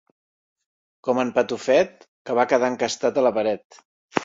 Com en Patufet, que va quedar encastat a la paret.